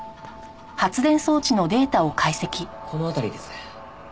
この辺りです。